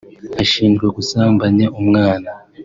Ashinjwa gusambanya umwana